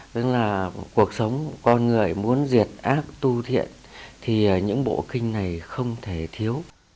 tức là cuộc sống con người muốn diệt ác tu thiện thì những bộ kinh này không thể thiếu